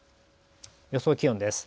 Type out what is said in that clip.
予想気温です。